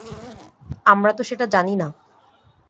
আমরা তো সেটা জানি না।